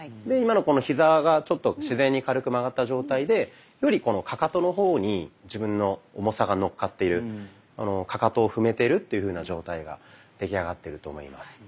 で今のヒザがちょっと自然に軽く曲がった状態でよりかかとの方に自分の重さが乗っかっているかかとを踏めてるっていうふうな状態が出来上がってると思います。